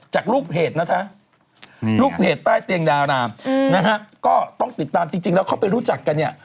จากรูปเพจนะฮะก็ต้องติดตามจริงเข้าไปรู้จักกันเนี่ย